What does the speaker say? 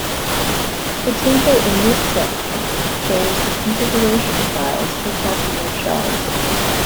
The table in this section shows the configuration files for popular shells.